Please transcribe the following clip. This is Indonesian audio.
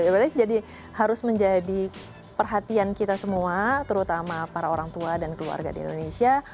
berarti jadi harus menjadi perhatian kita semua terutama para orang tua dan keluarga di indonesia